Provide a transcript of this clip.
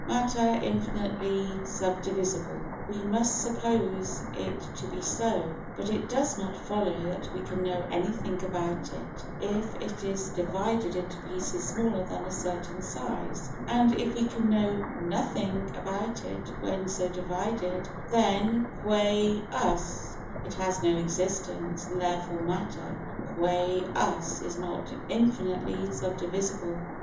Matter Infinitely Subdivisible We must suppose it to be so, but it does not follow that we can know anything about it if it is divided into pieces smaller than a certain size; and, if we can know nothing about it when so divided, then, qua us, it has no existence and therefore matter, qua us, is not infinitely subdivisible.